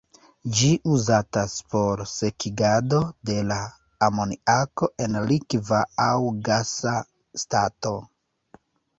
Ĝi uzatas por sekigado de la amoniako en likva aŭ gasa stato.